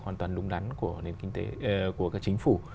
hoàn toàn đúng đắn của các chính phủ